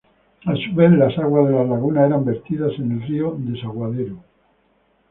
A su vez, las aguas de las lagunas eran vertidas en el río Desaguadero.